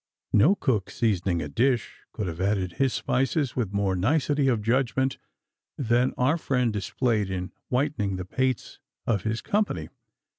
No cook seasoning a dish could have added his spices with more nicety of judgment than our friend displayed in whitening the pates of his company.